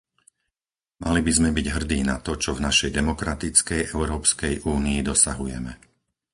Mali by sme byť hrdí na to, čo v našej demokratickej Európskej únii dosahujeme.